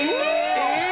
えっ！？